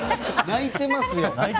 泣いてますよ。